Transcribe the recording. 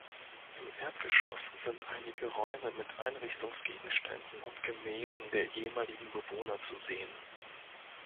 Im Erdgeschoss sind einige Räume mit Einrichtungsgegenständen und Gemälden der ehemaligen Bewohner zu sehen.